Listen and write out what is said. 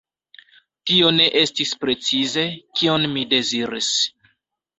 Tio ne estis precize, kion mi deziris.